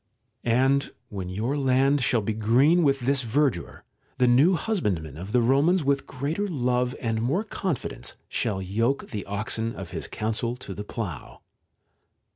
And when your land shall be green with this verdure, the new husbandman of the Romans with greater love and more confidence shall yoke the oxen of his counsel to the plough.